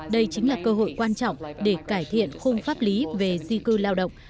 đây chính là cơ hội quan trọng để cải thiện khung pháp lý về di cư lao động